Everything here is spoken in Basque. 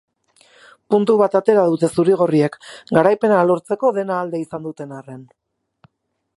Puntu bat atera dute zuri-gorriek, garaipena lortzeko dena alde izan duten arren.